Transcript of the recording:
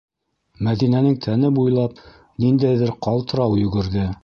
Мәҙинәнең тәне буйлап ниндәйҙер ҡалтырау йүгерҙе.